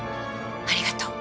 ありがとう。